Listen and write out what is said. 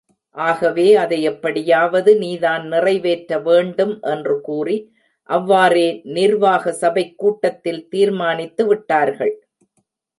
ஆகவே அதை எப்படியாவது நீதான் நிறைவேற்ற வேண்டும்! என்று கூறி, அவ்வாறே, நிர்வாக சபைக் கூட்டத்தில் தீர்மானித்து விட்டார்கள்!